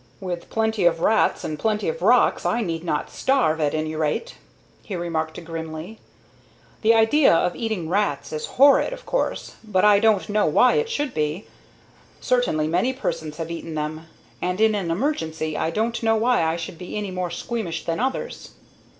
"With plenty of rats and plenty of rocks I need not starve, at any rate," he remarked, grimly. "The idea of eating rats is horrid, of course, but I don't know why it should be. Certainly many persons have eaten them, and in an emergency I don't know why I should be any more squeamish than others.